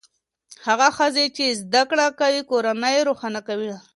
هغه ښځې چې زده کړې کوي کورنۍ روښانه کوي.